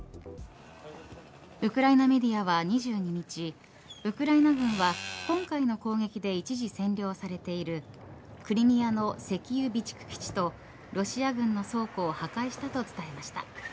ウクライナメディアは２２日ウクライナ軍は今回の攻撃で一時占領されているクリミアの石油備蓄基地とロシア軍の倉庫を破壊したと伝えました。